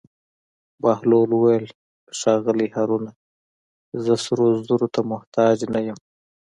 بهلول وویل: ښاغلی هارونه زه سرو زرو ته محتاج نه یم.